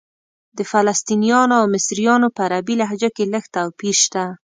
د فلسطنیانو او مصریانو په عربي لهجه کې لږ توپیر شته.